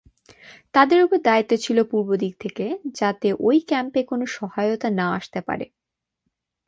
তাদের ওপর দায়িত্ব ছিল পূর্বদিক থেকে যাতে ওই ক্যাম্পে কোনো সহায়তা না আসতে পারে।